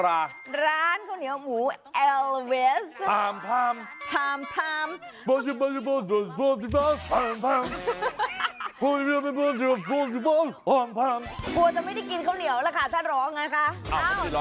อันนี้ก็คือโดยบ้านเบอร์